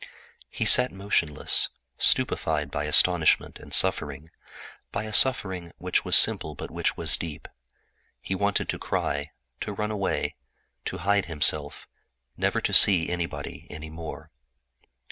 He sat motionless, stupefied by astonishment and suffering, with an agony which was simple but deep. He wanted to cry, to run away, to hide himself, never to see anybody any more.